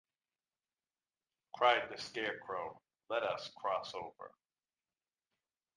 Cried the Scarecrow, "let us cross over."